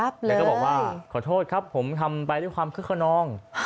แล้วก็บอกว่าขอโทษครับผมทำไปด้วยความคึกขนอง